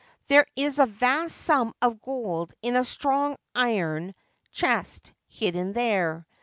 There is a vast sum of gold in a strong iron chest hidden there.